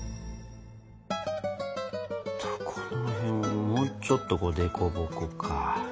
とこの辺をもうちょっと凸凹か。